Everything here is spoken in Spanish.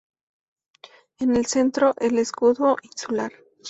En el centro, el escudo insular.